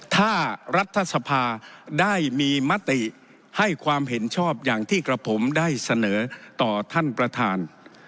ถ้ารัฐสภาได้มีมติให้ความเห็นชอบอย่างที่กระผมได้เสนอต่อท่านประธาน